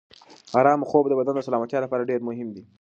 ارامه خوب د بدن د سلامتیا لپاره ډېر مهم دی.